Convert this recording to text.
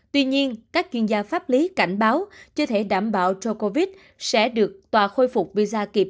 tuy nhiên các chuyên gia pháp lý cảnh báo chưa thể đảm bảo cho covid sẽ được tòa khôi phục visa kịp